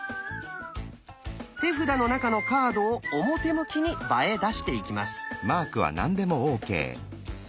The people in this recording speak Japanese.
手札の中のカードを表向きに場へ出していきます。